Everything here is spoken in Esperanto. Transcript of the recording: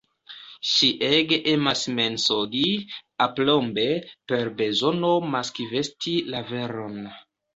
Ŝi ege emas mensogi, aplombe, per bezono maskvesti la veron.